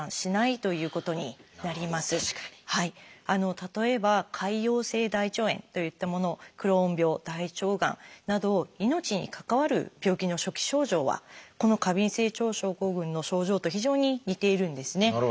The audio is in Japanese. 例えば潰瘍性大腸炎といったものクローン病大腸がんなど命に関わる病気の初期症状はこの過敏性腸症候群の症状と非常に似ているんですね。